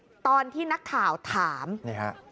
พาไปดูที่กองบังคับการตำรวจนครบาน๕ค่ะ